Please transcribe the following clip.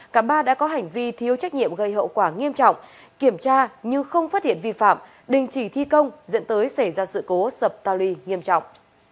cả ba đã có hành vi thiếu trách nhiệm gây hậu quả nghiêm trọng kiểm tra nhưng không phát hiện vi phạm đình chỉ thi công dẫn tới xảy ra sự cố sập tàu luy nghiêm trọng